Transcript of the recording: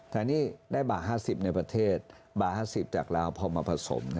แต่นี่ได้บาท๕๐ในประเทศบาท๕๐จากลาวพอมาผสม